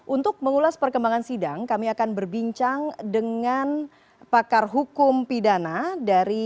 untuk mengulas perkembangan sidang kami akan berbincang dengan pakar hukum pidana dari